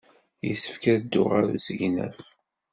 Yessefk ad dduɣ ɣer usegnaf.